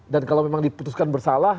dan kalau memang diputuskan bersalah